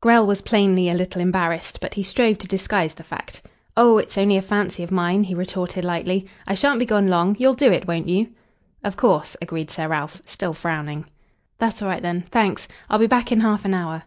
Grell was plainly a little embarrassed, but he strove to disguise the fact. "Oh, it's only a fancy of mine," he retorted lightly. "I shan't be gone long. You'll do it, won't you?" "Of course," agreed Sir Ralph, still frowning. "That's all right, then. Thanks. I'll be back in half an hour."